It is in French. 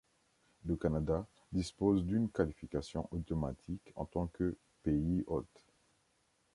Le Canada dispose d'une qualification automatique en tant que pays-hôte.